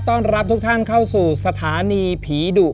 ต้อนรับทุกท่านเข้าสู่สถานีผีดุ